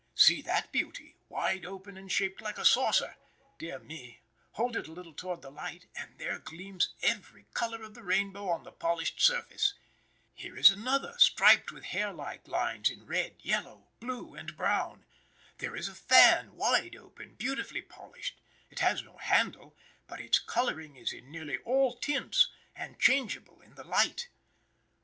See that beauty, wide open and shaped like a saucer. Dear me, hold it a little toward the light, and there gleams every color of the rainbow on the polished surface. Here is another, striped with hair like lines in red, yellow, blue, and brown. There is a fan, wide open, beautifully polished; it has no handle, but its coloring is in nearly all tints, and changeable in the light.